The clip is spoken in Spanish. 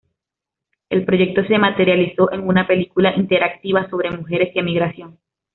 El proyecto se materializó en una película interactiva sobre mujeres y emigración.